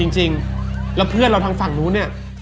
จริงแล้วเพื่อนเราทางฝั่งนู้นเนี่ย